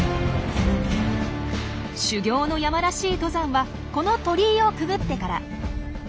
修行の山らしい登山はこの鳥居をくぐってから。